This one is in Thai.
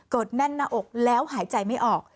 แน่นหน้าอกแล้วหายใจไม่ออก